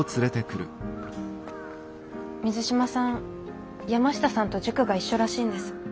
水島さん山下さんと塾が一緒らしいんです。